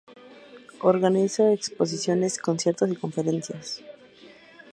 Organiza exposiciones, conciertos y conferencias.